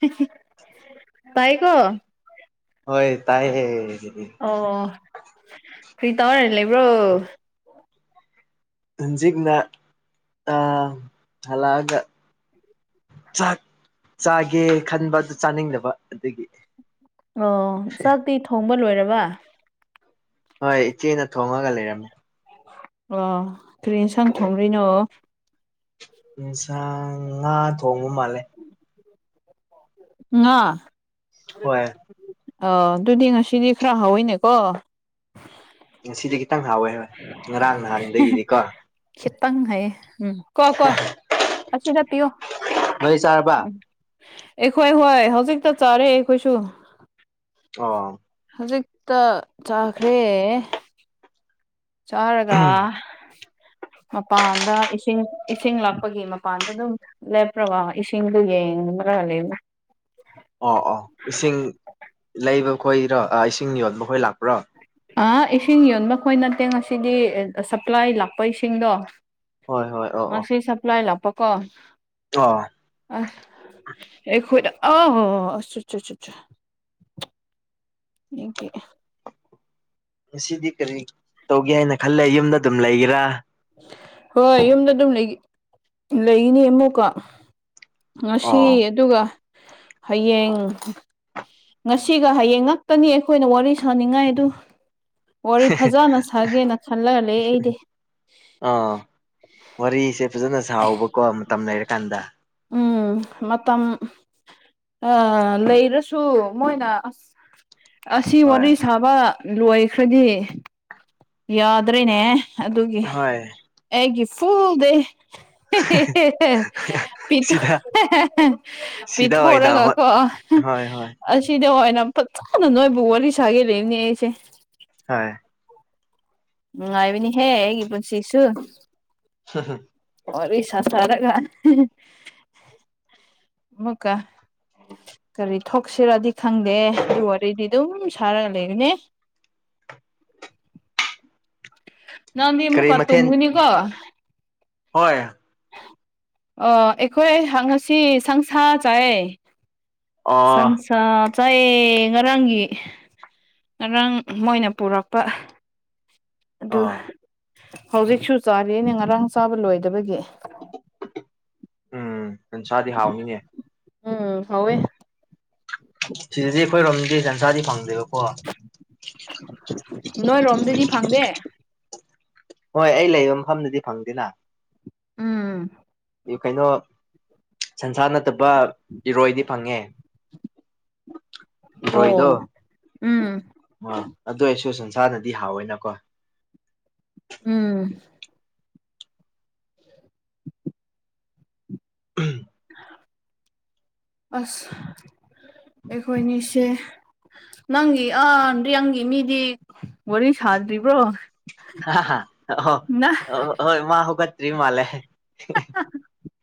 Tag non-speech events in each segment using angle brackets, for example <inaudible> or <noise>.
<unintelligible> ꯇꯥꯏꯀꯣ ꯍꯣꯏ ꯇꯥꯏꯍꯦ ꯑꯣ ꯀꯔꯤ ꯇꯧꯔ ꯂꯩꯕ꯭ꯔꯣ ꯍꯧꯟꯖꯤꯛꯅ ꯑ ꯍꯜꯂꯛꯑꯒ ꯆꯥꯛ ꯆꯥꯒꯦ ꯈꯟꯕ ꯑꯗꯨ ꯆꯥꯅꯤꯡꯗꯕ ꯑꯗꯨꯒꯤ ꯑꯣ ꯆꯥꯛꯇꯤ ꯊꯣꯡꯕ ꯂꯣꯏꯔꯕ ꯍꯣꯏ ꯏꯆꯦꯅ ꯊꯣꯡꯉꯒ ꯂꯩꯔꯝꯃꯦ ꯑꯣ ꯀꯔꯤ ꯏꯟꯁꯥꯟ ꯊꯣꯡꯒꯔꯩꯅꯣ ꯌꯦꯟꯁꯥꯡ ꯉꯥ ꯊꯣꯡꯕ ꯃꯥꯜꯂꯦ ꯉꯥ ꯍꯣꯏ ꯑꯣ ꯑꯗꯨꯗꯤ ꯉꯁꯤꯗꯤ ꯈꯔ ꯍꯥꯎꯋꯤꯅꯦꯀꯣ ꯁꯤꯗꯤ ꯈꯤꯇꯪ ꯍꯥꯎꯋꯦ ꯍꯣꯏ ꯉꯔꯥꯡ ꯅꯍꯥꯟꯗꯒꯤꯗꯤ ꯀꯣ ꯈꯤꯇꯪ ꯍꯥꯏꯌꯦ ꯎꯝ ꯀꯣ ꯀꯣ ꯑꯁꯤꯗꯄꯤꯌꯣ ꯅꯣꯏ ꯆꯥꯔꯕ ꯑꯩꯈꯣꯏ ꯍꯣꯏ ꯍꯧꯖꯤꯛꯇ ꯆꯥꯔꯦ ꯑꯩꯈꯣꯏꯁꯨ ꯑꯣ ꯍꯧꯖꯤꯛꯇ ꯆꯥꯈ꯭ꯔꯦ ꯆꯥꯔꯒ ꯃꯄꯥꯟꯗ ꯏꯁꯤꯡ ꯏꯁꯤꯡ ꯂꯥꯛꯄꯒꯤ ꯃꯄꯥꯟꯗ ꯑꯗꯨꯝ ꯂꯦꯄ꯭ꯔꯒ ꯏꯁꯤꯡꯗꯨ ꯌꯦꯡꯕ꯭ꯔꯥ ꯂꯩꯕꯅꯤ ꯑꯣ ꯑꯣ ꯏꯁꯤꯡ ꯂꯩꯕ ꯈꯣꯏꯔꯣ ꯏꯁꯤꯡ ꯌꯣꯟꯕ ꯈꯣꯏ ꯂꯥꯛꯄ꯭ꯔꯣ ꯑ ꯏꯁꯤꯡ ꯌꯣꯟꯕꯈꯣꯏ ꯅꯠꯇꯦ ꯉꯁꯤꯗꯤ ꯁꯄ꯭ꯂꯥꯏ ꯂꯥꯛꯄ ꯏꯁꯤꯡꯗꯣ ꯍꯣꯏ ꯍꯣꯏ ꯑꯣ ꯑꯣ ꯉꯥꯁꯤ ꯁꯄ꯭ꯂꯥꯏ ꯂꯥꯛꯄꯀꯣ ꯑꯣ ꯑ ꯑꯈꯣꯏꯗ ꯑ <unintelligible> <unintelligible> ꯉꯁꯤꯗꯤ ꯀꯔꯤ ꯇꯧꯒꯦ ꯍꯥꯏꯅ ꯈꯜꯂꯦ ꯌꯨꯝꯗ ꯑꯗꯨꯝ ꯂꯩꯒꯦꯔꯥ ꯍꯣꯏ ꯌꯨꯝꯗ ꯑꯗꯨꯝ ꯂꯩ ꯂꯩꯒꯅꯤ ꯑꯃꯨꯛꯀ ꯉꯁꯤ ꯑꯣ ꯑꯗꯨꯒ ꯍꯌꯦꯡ ꯉꯁꯤꯒ ꯍꯌꯦꯡ ꯉꯥꯛꯇꯅꯤ ꯑꯩꯈꯣꯏꯅ ꯋꯥꯔꯤ ꯁꯥꯅꯤꯡꯉꯥꯏ ꯑꯗꯨ ꯋꯥꯔꯤ ꯐꯖꯅ ꯁꯥꯒꯦꯅ ꯈꯜꯂꯒ ꯂꯩ ꯑꯩꯗꯤ ꯑꯥ ꯋꯥꯔꯤꯁꯦ ꯐꯖꯅ ꯁꯥꯎꯕꯀꯣ ꯃꯇꯝ ꯂꯩꯔꯀꯥꯟꯗ ꯎꯝ ꯃꯇꯝ ꯑꯥ ꯂꯩꯔꯁꯨ ꯃꯣꯏꯅ ꯑꯁ ꯑꯁꯤ ꯍꯣꯏ ꯋꯥꯔꯤ ꯁꯥꯕ ꯂꯣꯏꯈ꯭ꯔꯗꯤ ꯌꯥꯗ꯭ꯔꯦꯅꯦ ꯑꯗꯨꯒꯤ ꯍꯣꯏ ꯑꯩꯒꯤ ꯐꯨꯜ ꯗꯦ <unintelligible> ꯁꯤꯗ <unintelligible> ꯄꯤ ꯁꯤꯗ ꯑꯣꯏꯅ ꯊꯣꯔꯒ ꯍꯣꯏ ꯀꯣ ꯍꯣꯏ ꯍꯣꯏ ꯑꯁꯤꯗ ꯑꯣꯏꯅ ꯐꯖꯅ ꯅꯣꯏꯕꯨ ꯋꯥꯔꯤ ꯁꯥꯒꯦ ꯂꯧꯕꯅꯦ ꯑꯩꯁꯦ ꯍꯣꯏ ꯅꯨꯉꯥꯏꯕꯅꯤ ꯍꯦ ꯑꯩꯒꯤ ꯄꯨꯟꯁꯤꯁꯨ <unintelligible> ꯋꯥꯔꯤ ꯁ ꯁꯥꯔꯒ <unintelligible> ꯑꯃꯨꯛꯀꯥ <inaudible> ꯀꯔꯤ ꯊꯣꯛꯁꯤꯔꯗꯤ ꯈꯪꯗꯦ ꯑꯗꯨ ꯋꯥꯔꯤꯗꯤ ꯑꯗꯨꯝ ꯁꯥꯔꯒ ꯂꯩꯔꯦꯅꯦ ꯀꯔꯤ ꯃꯊꯦꯜ ꯍꯣꯏ ꯑ ꯑꯩꯈꯣꯏ ꯍꯪꯉꯁꯤ ꯁꯪꯁꯥ ꯆꯥꯏ ꯑꯣ ꯑ ꯆꯥꯏꯌꯦ ꯉꯔꯥꯡꯒꯤ ꯉꯔꯥꯡ ꯃꯣꯏꯅ ꯄꯨꯔꯛꯄ ꯑꯗꯨ ꯑꯣ ꯍꯧꯖꯤꯛꯁꯨ ꯆꯥꯔꯤꯅꯦ ꯉꯔꯥꯡ ꯆꯥꯕ ꯂꯣꯏꯗꯕꯒꯤ ꯎꯝ ꯁꯟꯁꯥꯗꯤ ꯍꯥꯎꯅꯤꯅꯦ ꯎꯝ ꯍꯥꯎꯋꯦ ꯁꯤꯗꯗꯤ ꯑꯩꯈꯣꯏꯔꯣꯝꯗꯤ ꯖꯟꯁꯥꯗꯤ ꯐꯪꯗꯦꯕꯀꯣ ꯅꯣꯏꯔꯣꯝꯗꯗꯤ ꯐꯪꯗꯦ ꯍꯣꯏ ꯑꯩ ꯂꯩꯕ ꯃꯐꯝꯗꯗꯤ ꯐꯪꯗꯦꯅ ꯎꯝ ꯀꯩꯅꯣ ꯁꯟꯁꯥ ꯅꯠꯇꯕ ꯏꯔꯣꯏꯗꯤ ꯐꯪꯉꯦ ꯔꯣꯏꯗ ꯑꯣ ꯎꯝ ꯑ ꯑꯗꯨ ꯑꯩꯁꯨ ꯁꯟꯁꯥꯅꯗꯤ ꯍꯥꯎꯋꯦꯅꯀꯣ ꯎꯝ ꯑꯁ ꯑꯩꯈꯣꯏꯅꯤꯁꯦ ꯅꯪꯒꯤ ꯑꯗ ꯅꯪꯒꯤ ꯃꯤꯗꯤ ꯋꯥꯔꯤ ꯁꯥꯗ꯭ꯔꯤꯕ꯭ꯔꯣ ꯑꯣ ꯅ ꯍꯣꯏ ꯃꯥ ꯍ ꯀꯇ꯭ꯔꯤ ꯃꯥꯂꯦ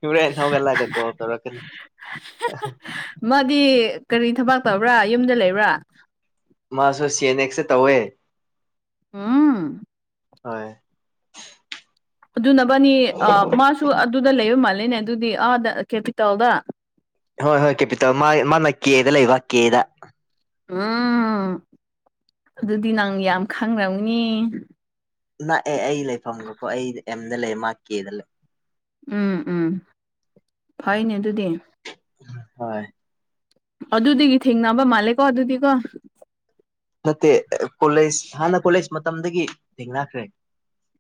ꯏꯕ꯭ꯔꯦ ꯅꯒꯂꯒ ꯀꯣ ꯇꯔ ꯀ ꯃꯥꯗꯤ ꯀꯔꯤ ꯊꯕꯥꯛ ꯇꯧꯕ꯭ꯔꯥ ꯌꯨꯝꯗ ꯂꯩꯕ꯭ꯔꯥ ꯃꯥꯁꯨ ꯁꯤ ꯑꯦꯟ ꯑꯦꯛꯁꯁꯦ ꯇꯧꯋꯦ ꯎꯝ ꯍꯣꯏ ꯑꯗꯨꯅꯕꯅꯤ ꯃꯥꯁꯨ ꯑꯗꯨꯗ ꯂꯩꯕ ꯃꯥꯜꯂꯦꯅꯦ ꯑꯗꯨꯗꯤ ꯑꯥꯗ ꯀꯦꯄꯤꯇꯥꯜꯗ ꯍꯣꯏ ꯍꯣꯏ ꯀꯦꯄꯤ ꯇꯧ ꯃꯥ ꯃꯥꯅ ꯀꯦꯗ ꯂꯩꯕ ꯀꯦꯗ ꯎꯝ ꯑꯗꯨꯗꯤ ꯅꯪ ꯌꯥꯝ ꯈꯪꯅꯝꯅꯤ ꯅꯥꯛꯑ ꯑꯩ ꯂꯩꯐꯝꯒꯀꯣ ꯑꯩ ꯑꯦꯝꯗ ꯂꯩ ꯃꯥ ꯀꯦꯗ ꯂꯩ ꯎꯝ ꯎꯝ ꯐꯩꯅꯦ ꯑꯗꯨꯗꯤ ꯍꯣꯏ ꯑꯗꯨꯗꯤꯗꯒꯤ ꯊꯦꯡꯅꯕ ꯃꯥꯂꯦꯀꯣ ꯑꯗꯨꯗꯤꯀꯣ ꯐꯠꯇꯦ ꯀꯣꯂꯦꯖ ꯍꯥꯟꯅ ꯀꯣꯂꯦꯖ ꯃꯇꯝꯗꯒꯤ ꯊꯦꯡꯅꯈ꯭ꯔꯦ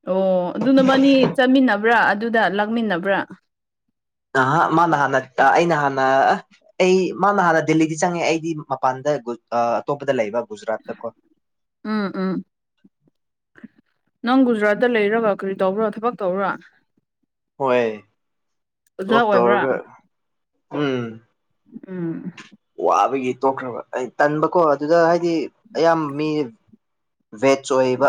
ꯑꯣ ꯑꯗꯨꯅ ꯃꯅꯤ ꯆꯠꯃꯤꯟꯅꯕ꯭ꯔꯥ ꯑꯗꯨꯗ ꯂꯥꯛꯃꯤꯟꯅꯕ꯭ꯔꯥ ꯑ ꯃꯥꯅ ꯍꯥꯟꯅ ꯑꯩꯅ ꯍꯥꯟꯅ ꯑꯩ ꯃꯥꯅ ꯍꯥꯟꯅ ꯗꯦꯜꯂꯤꯗꯤ ꯆꯪꯉꯦ ꯑꯩꯗꯤ ꯃꯄꯥꯟꯗ ꯑꯇꯣꯞꯄꯗ ꯂꯩꯕ ꯒꯨꯖꯔꯥꯠꯇ ꯀꯣ ꯎꯝ ꯎꯝ ꯅꯪ ꯒꯨꯖꯔꯥꯠꯇ ꯂꯩꯔꯕ ꯀꯔꯤ ꯇꯧꯕ꯭ꯔꯣ ꯊꯕꯛ ꯇꯧꯕ꯭ꯔꯣ ꯍꯣꯏ ꯑꯣꯖꯥ ꯊꯕꯛ ꯑꯣꯏꯕ꯭ꯔꯥ ꯇꯧꯔꯒ ꯎꯝ ꯎꯝ ꯋꯥꯕꯒꯤ ꯇꯣꯛꯈ꯭ꯔꯕ ꯑꯩ ꯇꯟꯕꯀꯣ ꯑꯗꯨꯗ ꯍꯥꯏꯗꯤ ꯑꯌꯥꯝꯕ ꯃꯤ ꯕꯦꯖ ꯑꯣꯏꯕ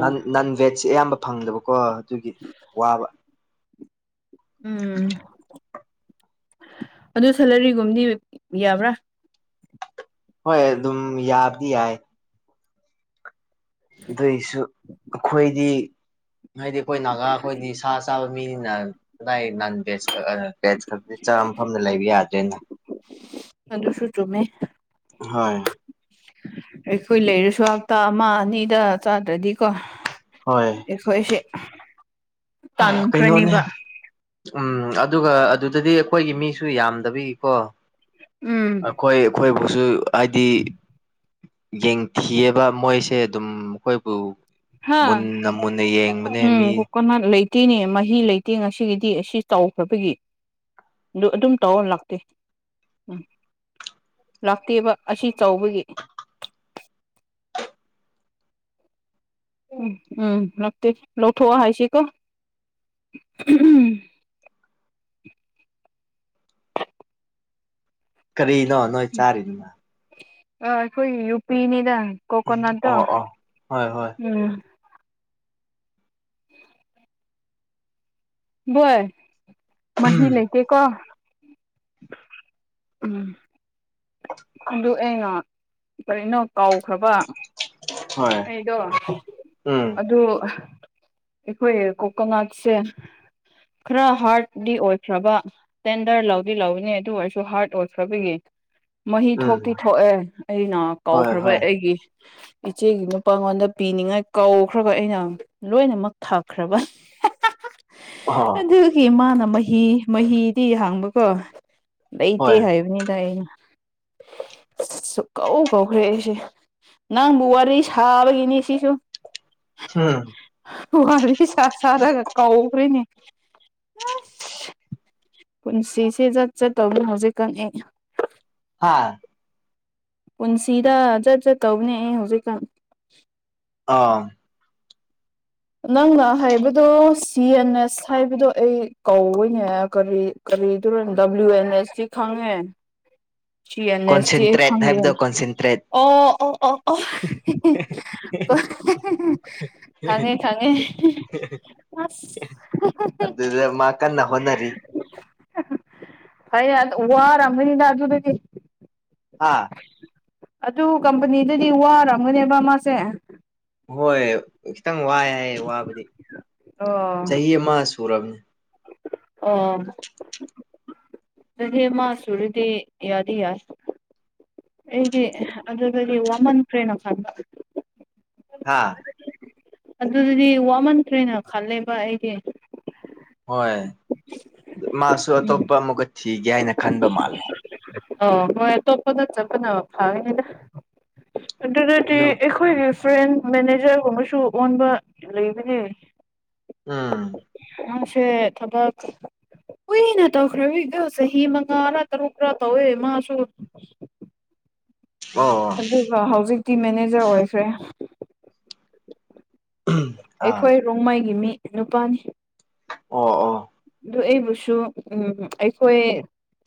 ꯅ ꯅꯟ ꯚꯦꯖꯁ ꯑꯌꯥꯝꯕ ꯐꯪꯗꯕꯀꯣ ꯑꯗꯨꯒꯤ ꯋꯥꯕ ꯎꯝ ꯑꯗꯨ ꯁꯦꯂꯔꯤꯒꯨꯝꯗꯤ ꯌꯥꯕ꯭ꯔꯥ ꯍꯣꯏ ꯑꯗꯨꯝ ꯌꯥꯕꯗꯤ ꯌꯥꯏ ꯑꯗꯨꯏꯁꯨ ꯑꯩꯈꯣꯏꯗꯤ ꯍꯥꯏꯗꯤ ꯑꯩꯈꯣꯏ ꯅꯥꯒꯥ ꯑꯩꯈꯣꯏꯗꯤ ꯁꯥ ꯆꯥꯕ ꯃꯤꯅꯤꯅ <unintelligible> ꯅꯟ ꯚꯦꯖꯛ ꯚꯦꯖ ꯈꯛꯇꯤ ꯆꯥꯝ ꯃꯐꯝꯗ ꯂꯩꯕ ꯌꯥꯗ꯭ꯔꯦꯅ ꯗꯄꯁꯨ ꯆꯨꯝꯃꯦ ꯍꯣꯏ <unintelligible> ꯑꯩꯈꯣꯏ ꯂꯩꯔꯁꯨ ꯍꯞꯇꯥ ꯑꯃ ꯑꯅꯤꯗ ꯆꯥꯗ꯭ꯔꯗꯤꯀꯣ ꯍꯣꯏ ꯑꯩꯈꯣꯏꯁꯦ ꯀꯩꯅꯣꯅꯦ ꯇꯥꯟꯈ꯭ꯔꯅꯤꯕ ꯎꯝ ꯑꯗꯨꯒ ꯑꯗꯨꯗꯗꯤ ꯑꯩꯈꯣꯏꯒꯤ ꯃꯤꯁꯨ ꯌꯥꯝꯗꯕꯩꯀꯣ ꯎꯝ ꯑꯩꯈꯣꯏ ꯑꯩꯈꯣꯏꯕꯨꯁꯨ ꯍꯥꯏꯗꯤ ꯌꯦꯡꯊꯤꯑꯦꯕ ꯃꯣꯏꯁꯦ ꯑꯗꯨꯝ ꯑꯩꯈꯣꯏꯕꯨ ꯍꯥ ꯃꯨꯟꯅ ꯃꯨꯟꯅ ꯌꯦꯡꯕꯅꯦ ꯃꯤ <unintelligible> ꯀꯣꯅꯥ ꯂꯩꯇꯦꯅꯦ ꯃꯍꯤ ꯂꯩꯇꯦ ꯉꯁꯤꯒꯤꯗꯤ ꯑꯁꯤ ꯇꯧꯈ꯭ꯔꯕꯒꯤ ꯑꯗꯨ ꯑꯗꯨꯝ ꯇꯧꯔ ꯂꯥꯛꯇꯦ ꯎꯝ ꯂꯥꯛꯇꯦꯕ ꯑꯁꯤ ꯆꯥꯎꯕꯒꯤ ꯎꯝ ꯎꯝ ꯂꯥꯛꯇꯦ ꯂꯧꯊꯣꯛꯑꯣ ꯍꯥꯏꯁꯤꯀꯣ ꯎꯝ ꯀꯔꯤꯅꯣ ꯅꯣꯏ ꯆꯥꯔꯤ ꯗꯨꯅ ꯑ ꯑꯩꯈꯣꯏ ꯌꯨ ꯄꯤꯅꯤꯗ ꯀꯣꯀꯣꯅꯠꯇꯣ ꯑꯣ ꯑꯣ ꯍꯣꯏ ꯍꯣꯏ ꯎꯝ <unintelligible> <inaudible> ꯚꯣꯏ ꯃꯍꯤ ꯂꯩꯇꯦꯀꯣ ꯎꯝ ꯑꯗꯨ ꯑꯩꯅ ꯀꯔꯤꯅꯣ ꯀꯥꯎꯈ꯭ꯔꯕ ꯍꯣꯏ ꯑꯩꯗꯣ ꯎꯝ ꯑꯗꯨ ꯑꯩꯈꯣꯏ ꯀꯣꯀꯉꯠꯁꯦ ꯈꯔ ꯍꯥꯔꯠꯗꯤ ꯑꯣꯏꯈ꯭ꯔꯕ ꯇꯦꯟꯗꯔ ꯂꯧꯗꯤ ꯂꯧꯅꯤ ꯑꯗꯨ ꯑꯣꯏꯔꯁꯨ ꯍꯥꯔꯠ ꯑꯣꯏꯈ꯭ꯔꯕꯒꯤ ꯃꯍꯤ ꯎꯝ ꯊꯣꯛꯇꯤ ꯊꯣꯛꯑꯦ ꯑꯩꯅ ꯍꯣꯏ ꯀꯧꯈ꯭ꯔꯕ ꯍꯣꯏ ꯑꯩꯒꯤ ꯏꯆꯦꯒꯤ ꯅꯨꯄꯥꯉꯣꯟꯗ ꯄꯤꯅꯤꯡꯉꯥꯏ ꯀꯧꯈ꯭ꯔꯒ ꯑꯩꯅ ꯂꯣꯏꯅꯃꯛ ꯊꯛꯈ꯭ꯔꯕ <unintelligible> <inaudible> ꯍꯥ ꯑꯗꯨꯒꯤ ꯃꯥꯅ ꯃꯍꯤ ꯃꯍꯤꯗꯤ ꯍꯡꯕꯀꯣ ꯂꯩꯇꯦ ꯍꯣꯏ ꯍꯥꯏꯕꯅꯤꯗ ꯑꯩꯅ ꯁꯨꯀꯧ ꯀꯧꯈ꯭ꯔꯦ ꯑꯩꯁꯦ ꯅꯪꯕꯨ ꯋꯥꯔꯤ ꯁꯥꯕꯒꯤꯅꯤ ꯁꯤꯁꯨ ꯍꯝ ꯋꯥꯔꯤ ꯁꯥ ꯁꯥꯔꯒ ꯀꯎꯈ꯭ꯔꯦꯅꯦ ꯄꯨꯟꯁꯤꯁꯦ ꯆꯠ ꯆꯠꯇꯧꯗꯣ ꯍꯧꯖꯤꯛꯀꯪ ꯍꯥ ꯄꯨꯟꯁꯤꯗ ꯖꯠ ꯖꯠ ꯇꯧꯕꯅꯦ ꯑꯩ ꯍꯧꯖꯤꯛꯀꯥꯟ ꯑꯥ ꯅꯪꯅ ꯍꯥꯏꯕꯗꯣ ꯁꯤ ꯑꯦꯟ ꯑꯦꯁ ꯍꯥꯏꯕꯗꯣ ꯑꯩ ꯀꯧꯏꯅꯦ ꯀꯔꯤ ꯀꯔꯤꯗꯔ ꯗꯕ꯭ꯂꯤꯎ ꯑꯦꯟ ꯑꯦꯁꯇꯤ ꯈꯪꯉꯦ ꯁꯤ ꯑꯦꯅ ꯑꯦꯁꯇꯤ ꯑꯩ ꯀꯣꯟꯁꯦꯟꯇ꯭ꯔꯦꯠ ꯈꯪꯗꯦ ꯍꯥꯏꯕꯗꯣ ꯀꯣꯟꯁꯦꯟꯇ꯭ꯔꯦꯠ ꯑꯣ ꯑꯣ ꯑꯣ ꯑ <unintelligible> ꯈꯪꯉꯦ ꯈꯪꯉꯦ <unintelligible> <unintelligible> ꯑꯗꯨꯗ ꯃꯥ ꯀꯟꯅ ꯍꯣꯠꯅꯔꯤ ꯐꯅꯦ ꯋꯥꯔꯝꯃꯅꯤꯗ ꯑꯗꯨꯗꯗꯤ ꯍꯥ ꯑꯗꯨ ꯀꯝꯄꯅꯤꯗꯗꯤ ꯋꯥꯔꯝꯒꯅꯦꯕ ꯃꯥꯁꯦ ꯍꯣꯏ ꯈꯤꯇꯪ ꯋꯥꯏ ꯍꯥꯏ ꯋꯥꯕꯗꯤ ꯆꯍꯤ ꯑꯃ ꯁꯨꯔꯕꯅꯦ ꯑ ꯆꯍꯤ ꯃꯥ ꯁꯨꯔꯗꯤ ꯌꯥꯗꯤ ꯌꯥꯏ ꯑꯩꯗꯤ ꯑꯗꯨꯗꯗꯤ ꯋꯥꯃꯟꯈ꯭ꯔꯦꯅ ꯈꯟꯕ ꯍꯥꯥ <unintelligible> ꯑꯗꯨꯗꯤ ꯋꯥꯃꯟꯈ꯭ꯔꯦꯅ ꯈꯜꯂꯦꯕ ꯑꯩꯗꯤ ꯍꯣꯏ ꯃꯥꯁꯨ ꯑꯇꯣꯞꯄ ꯑꯃꯨꯛꯀ ꯊꯤꯒꯦ ꯍꯥꯏꯅ ꯈꯟꯕ ꯃꯥꯜꯂꯦ ꯑꯣ ꯃꯣꯏ ꯑ ꯇꯣꯄꯅ ꯆꯕꯅ ꯐꯥꯎꯅꯤꯗ ꯑꯗꯨ ꯑꯩꯈꯣꯏꯒꯤꯔꯤ ꯐ꯭ꯔꯦꯟ ꯃꯦꯅꯦꯖꯔꯒꯨꯝꯕꯁꯨ ꯑꯣꯟꯕ ꯂꯩꯕꯅꯦ ꯎꯝ ꯑꯁꯦ ꯊꯕꯛ ꯀꯨꯏꯅ ꯇꯧꯈ꯭ꯔꯕꯗꯣ ꯆꯍꯤ ꯃꯉꯥꯔꯥ ꯇꯔꯨꯛꯔ ꯇꯧꯋꯦ ꯃꯥꯁꯨ ꯑꯣ ꯑꯗꯨꯒ ꯍꯧꯖꯤꯛꯇꯤ ꯃꯦꯅꯦꯖꯔ ꯑꯣꯏꯈ꯭ꯔꯦ ꯑꯥ ꯑꯩꯈꯣꯏ ꯔꯣꯡꯃꯩꯒꯤ ꯃꯤ ꯅꯨꯄꯥꯅꯤ ꯑꯣ ꯑꯣ ꯑꯗꯨ ꯑꯩꯕꯨꯁꯨ ꯎꯝ ꯑꯩꯈꯣꯏ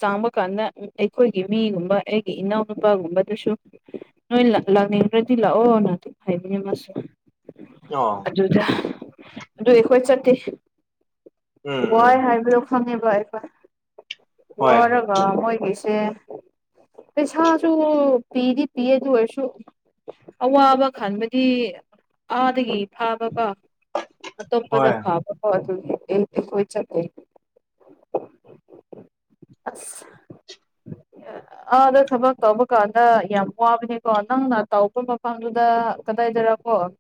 ꯆꯥꯡꯕ ꯀꯥꯟꯗ ꯑꯩꯈꯣꯏꯒꯤ ꯃꯤꯒꯨꯝꯕ ꯑꯩꯒꯤ ꯏꯅꯥꯎꯅꯨꯄꯥꯒꯨꯝꯕꯗꯨꯁꯨ ꯅꯣꯏ ꯂꯥꯛꯅꯤꯡꯗ꯭ꯔꯗꯤ ꯂꯥꯛꯑꯣꯅ ꯑꯗꯨ ꯍꯥꯏꯕꯅꯦ ꯃꯥꯁꯦ ꯑ ꯑꯗꯨꯗ ꯑꯗꯨꯗꯤ ꯑꯩꯈꯣꯏ ꯆꯠꯇꯦ ꯎꯝ ꯎꯝ ꯋꯥꯏ ꯍꯥꯏꯕꯗꯣ ꯈꯪꯉꯦꯕ ꯑꯩꯈꯣꯏ ꯍꯣꯏ ꯋꯥꯔꯒ ꯃꯣꯏꯒꯤꯁꯦ ꯄꯩꯁꯥꯁꯨ ꯄꯤꯗꯤ ꯄꯤ ꯑꯗꯨ ꯑꯣꯏꯔꯁꯨ ꯑꯋꯥꯕ ꯈꯟꯕꯗꯤ ꯑꯥꯗꯒꯤ ꯐꯥꯕꯀꯣ ꯑꯇꯣ ꯍꯣꯏ ꯐꯥꯎ ꯄ ꯑꯗꯨꯗꯤ ꯍꯣꯏ ꯆꯀꯦ ꯑꯁ ꯑꯥ ꯑꯗ ꯊꯕꯛ ꯇꯧꯕ ꯀꯥꯟꯗ ꯌꯥꯝ ꯋꯥꯕꯅꯤꯀꯣ ꯅꯪꯅ ꯇꯧꯄ ꯃꯐꯝꯗꯨꯗ ꯀꯗꯥꯏꯗꯔꯀꯣ ꯑꯗꯨ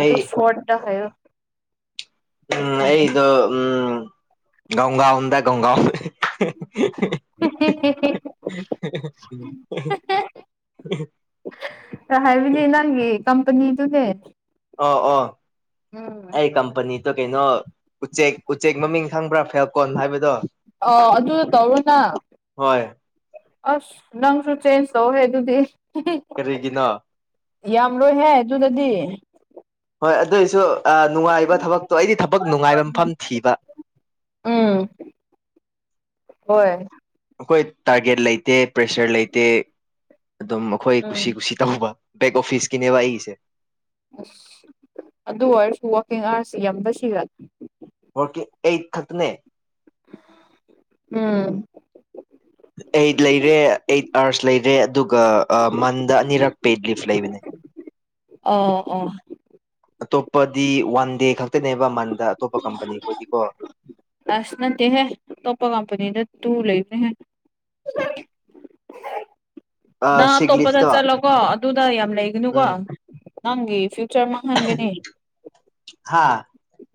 ꯑꯗꯨ ꯑꯩ ꯁꯠꯗ ꯍꯥꯏꯣ ꯎꯝ ꯑꯩꯗꯣ ꯎꯝ ꯣꯡꯒꯥꯎꯗ ꯡꯒꯥꯎ ꯍ ꯍ ꯍ ꯍꯥꯏꯕꯅꯦ ꯅꯪꯒꯤ ꯀꯝꯄꯅꯤꯗꯨꯅꯦ ꯑ ꯑꯣ ꯎꯝ ꯑꯩ ꯀꯝꯄꯅꯤꯗꯣ ꯀꯩꯅꯣ ꯎꯆꯦꯛ ꯎꯆꯦꯛ ꯃꯃꯤꯡ ꯈꯪꯕ꯭ꯔꯥ ꯐꯦꯜꯀꯣꯟ ꯍꯥꯏꯕꯗꯣ ꯑ ꯑꯗꯨ ꯇꯧꯔꯨꯅ ꯍꯣꯏ ꯑꯁ ꯅꯪꯁꯨꯨ ꯆꯦꯟꯖ ꯇꯧ ꯍꯦꯗꯨꯗꯤ ꯀꯔꯤꯒꯤꯅꯣ ꯌꯥꯝꯔꯣꯏꯍꯦ ꯑꯗꯨꯗꯗꯤ ꯍꯣꯏ ꯑꯗꯨꯑꯣꯏꯁꯨ ꯅꯨꯡꯉꯥꯏꯕ ꯊꯕꯛꯇꯣ ꯑꯩꯗꯤ ꯊꯕꯛ ꯅꯨꯡꯉꯥꯏꯕ ꯃꯐꯝ ꯊꯤꯕ ꯎꯝ ꯍꯣꯏ ꯑꯩꯈꯣꯏ ꯇꯥꯔꯒꯦꯠ ꯂꯩꯇꯦ ꯄ꯭ꯔꯦꯁꯔ ꯂꯩꯇꯦ ꯑꯗꯨꯝ ꯑꯩꯈꯣꯏ ꯎꯝ ꯀꯨꯁꯤ ꯀꯨꯁꯤ ꯇꯧꯕ ꯕꯦꯛ ꯑꯣꯐꯤꯁꯀꯤꯅꯦꯕ ꯑꯩꯒꯤꯁꯦ ꯑꯁ ꯑꯗꯨ ꯑꯣꯏꯔꯁꯨ ꯋꯥꯛꯀꯤꯡ ꯑꯥꯋꯥꯔꯁꯁꯤ ꯌꯥꯝꯗ ꯁꯤꯈ꯭ꯔ ꯍꯔꯀꯤ ꯑꯩꯠ ꯈꯛꯇꯅꯦ ꯎꯝ ꯑꯩꯠ ꯂꯩꯔꯦ ꯑꯩꯠ ꯑꯥꯋꯥꯔꯁ ꯂꯩꯔꯦ ꯑꯗꯨꯒ ꯃꯟꯗ ꯑꯅꯤꯔꯛ ꯄꯦꯗ ꯂꯤꯐ ꯂꯩꯕꯅꯦ ꯑꯣ ꯑꯣ ꯑꯇꯣꯞꯄꯗꯤ ꯋꯥꯟ ꯗꯦ ꯈꯛꯇꯅꯦꯕ ꯃꯟꯗ ꯑꯇꯣꯞꯄ ꯀꯝꯄꯅꯤ ꯈꯣꯏꯗꯤꯀꯣ ꯑꯁ ꯅꯠꯇꯦ ꯍꯥꯏꯦ ꯇꯣꯞꯄ ꯀꯝꯄꯅꯤꯗ ꯇꯨ ꯂꯩꯅꯦ ꯍꯥꯏꯌꯦ ꯅꯪ ꯑꯇꯣꯞꯄꯗ ꯁꯤꯒꯂꯤꯐꯇꯣ ꯆꯠꯂꯣꯀꯣ ꯑꯗꯨꯗ ꯌꯥꯝ ꯂꯩꯒꯅꯨꯀꯣ ꯎꯝ ꯅꯪꯒꯤ ꯐꯌꯨꯆꯔ ꯍꯪꯒꯅꯤ ꯍꯥꯥ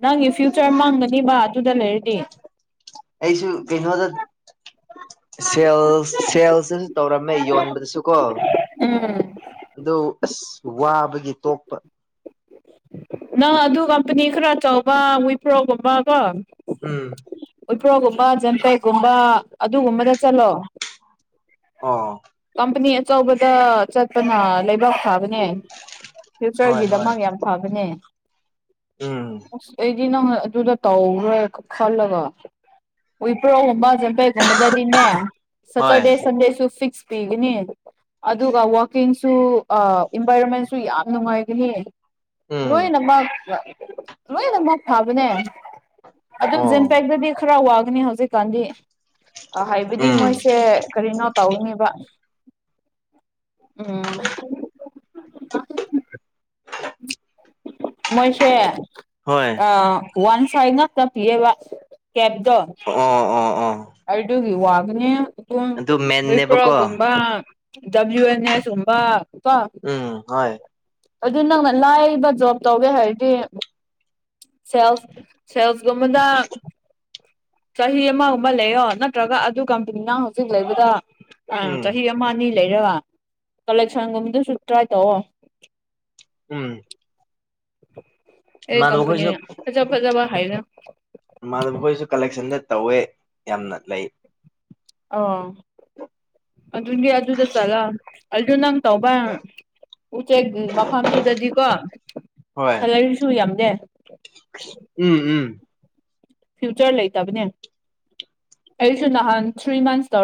ꯅꯪꯒꯤ ꯐ꯭ꯌꯨꯆꯔ ꯃꯥꯡꯒꯅꯤꯕ ꯑꯗꯨꯗ ꯂꯩꯔꯗꯤ ꯑꯩꯁꯨ ꯀꯩꯅꯩꯅꯣꯗ ꯁꯦꯜ ꯁꯦꯜꯁꯤꯁꯨ ꯇꯧꯔꯝꯃꯦ ꯌꯣꯟꯕꯗꯁꯨ ꯀꯣ ꯎꯝ ꯑ ꯑꯁ ꯋꯥꯕꯒꯤ ꯇꯣꯛꯄ ꯅꯪ ꯑꯗꯨ ꯀꯝꯄꯅꯤ ꯈꯔ ꯇꯧꯕ ꯋꯤꯄ꯭ꯔꯣꯒꯨꯝꯕ ꯀꯣ ꯎꯝ ꯎꯄ꯭ꯔꯣꯒꯨꯝꯕ ꯖꯝꯄꯦꯛꯒꯨꯝꯕ ꯑꯗꯨꯒꯨꯝꯕꯗ ꯆꯠꯂꯣ ꯑꯣ ꯀꯝꯄꯅꯤ ꯑꯆꯧꯕꯗ ꯆꯠꯄꯅ ꯂꯩꯕꯥꯛ ꯐꯥꯕꯅꯦ ꯍꯣꯏ ꯍꯣꯏ ꯐ꯭ꯌꯨꯆꯔꯒꯤꯗꯃꯛ ꯌꯥꯝ ꯐꯕꯅꯦ ꯎꯝ ꯅꯪ ꯑꯗꯨꯗ ꯇꯧ꯭ꯔꯣꯏ ꯈꯜꯂꯒ ꯋꯤꯄ꯭ꯔꯣꯒꯨꯝꯕ ꯖꯝꯄꯩꯒꯨꯝꯕꯗꯗꯤꯅꯦ ꯍꯣꯏ ꯁꯇꯔꯗꯦ ꯁꯟꯗꯦꯁꯨ ꯐꯤꯛꯁ ꯄꯤꯒꯅꯦ ꯑꯗꯨꯒ ꯋꯥꯛꯀꯤꯡꯁꯨ ꯏꯟꯚꯥꯏꯔꯣꯟꯃꯦꯟꯁꯨ ꯌꯥꯝ ꯅꯨꯡꯉꯥꯏꯒꯅꯤ ꯎꯝ ꯂꯣꯏꯅꯃꯛ ꯂꯣꯏꯅꯃꯛ ꯐꯥꯕꯅꯦ ꯑꯗꯨꯝ ꯑꯣ ꯖꯦꯟꯄꯦꯛꯇꯗꯤ ꯈꯔ ꯋꯥꯒꯅꯤ ꯍꯧꯖꯤꯛꯀꯥꯟꯗꯤ ꯑ ꯍꯥꯏꯕꯗꯤ ꯎꯝ ꯃꯣꯏꯁꯦ ꯀꯔꯤꯅꯣ ꯇꯧꯅꯦꯕ ꯎꯝ <inaudible> ꯃꯣꯏꯁꯦ ꯍꯣꯏ ꯋꯥꯟ ꯐꯥꯏ ꯅꯠꯇꯅ ꯄꯤꯌꯦꯕ ꯀꯦꯞꯇꯣ ꯑꯣ ꯑꯣ ꯑꯣ ꯑꯗꯨꯒꯤ ꯋꯥꯕꯅꯦ ꯄꯨꯡ ꯑꯗꯨ ꯃꯦꯟꯅꯦꯕꯀꯣ ꯂꯩꯏꯄ꯭ꯔꯒꯨꯝꯕ ꯗꯕꯂꯤꯎ ꯑꯦꯟ ꯑꯦꯁꯒꯨꯝꯕ ꯀꯣ ꯎꯝ ꯍꯣꯏ ꯑꯗꯨ ꯅꯪꯅ ꯂꯥꯏꯕ ꯖꯣꯕ ꯇꯧꯒꯦ ꯍꯥꯏꯔꯗꯤ ꯁꯦꯜꯁ ꯁꯦꯜꯁ ꯀꯨꯝꯕꯗ ꯆꯍꯤ ꯑꯃꯒꯨꯝꯕ ꯂꯩꯌꯣ ꯅꯠꯇ꯭ꯔꯒ ꯑꯗꯨ ꯀꯝꯄꯅꯤꯅ ꯍꯧꯖꯤꯛ ꯂꯩꯕꯗ ꯑꯥ ꯎꯝ ꯆꯍꯤ ꯑꯃ ꯑꯅꯤ ꯂꯩꯔ ꯀꯂꯦꯛꯁꯟꯒꯨꯝꯕꯗꯨꯁꯨ ꯇ꯭ꯔꯥꯏ ꯇꯧꯑꯣ ꯎꯝ ꯑꯦ ꯏꯃꯥꯟꯅꯕ ꯈꯣꯏꯁꯨ ꯀꯝꯄꯅꯤꯅ ꯐꯖ ꯐꯖꯕ ꯍꯥꯏꯌꯅ ꯃꯥꯗ ꯃꯈꯣꯏꯁꯨ ꯀꯂꯦꯛꯁꯟꯗ ꯇꯧꯋꯦ ꯌꯥꯝꯅ ꯂꯩ ꯑ ꯑꯗꯨꯒꯤ ꯑꯗꯨꯗ ꯆꯠꯂ ꯑꯗꯨꯗꯣ ꯅꯪ ꯇꯧꯕꯧꯕ ꯎꯆꯦꯛ ꯃꯐꯝꯗꯨꯗꯗꯤꯀꯣ ꯍꯣꯏ ꯁꯦꯂꯔꯤꯁꯨ ꯌꯥꯝꯗꯦ ꯎꯝ ꯎꯝ ꯐ꯭ꯌꯨꯆꯔ ꯂꯩꯇꯕꯅꯦ ꯑꯩꯁꯨ ꯅꯍꯥꯟ ꯊ꯭ꯔꯤ ꯃꯟꯁ ꯇꯧꯔ